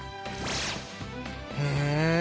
へえ。